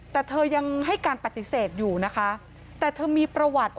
แต่เธอยังให้การปฏิเสธอยู่นะคะแต่เธอมีประวัติ